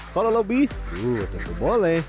kalau lobby tentu boleh